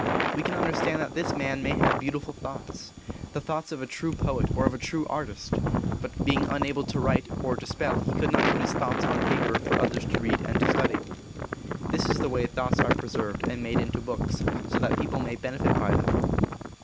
We can understand that this man may have beautiful thoughts the thoughts of a true poet or of a true artist but being unable to write or to spell he could not put his thoughts on paper for others to read and to study. This is the way thoughts are preserved and made into books so that people may benefit by them.